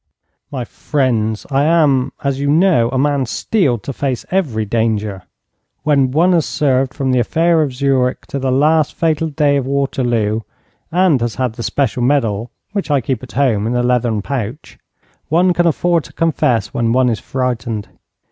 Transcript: My friends, I am, as you know, a man steeled to face every danger. When one has served from the affair of Zurich to that last fatal day of Waterloo, and has had the special medal, which I keep at home in a leathern pouch, one can afford to confess when one is frightened.